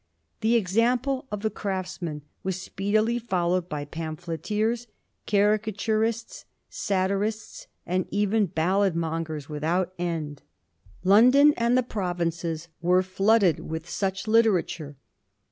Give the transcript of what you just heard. The example of the Craftsman was speedily followed by pamphleteers, caricaturists, satirists, and even ballad mongers without end. London and the provinces were flooded with such literature.